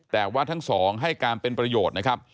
แต่ว่าทั้งสองให้การเป็นประโยชน์นะครับ